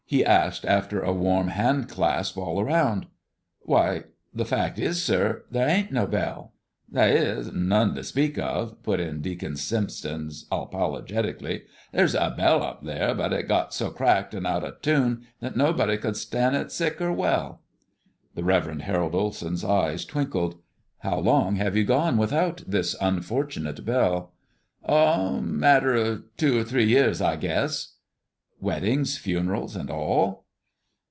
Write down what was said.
he asked, after a warm hand grasp all round. "Why, the fact is, sir, there ain't no bell." "That is, none to speak of," put in Deacon Stimpson apologetically. "There's a bell up there, but it got so cracked an' out o' tune that nobody could stan' it, sick or well." The Rev. Harold Olsen's eyes twinkled. "How long have you gone without this unfortunate bell?" "Oh! a matter o' two or three years, I guess." "Weddings, funerals, and all?"